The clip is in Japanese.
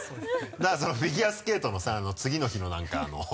だからそのフィギュアスケートの次の日の何かあの。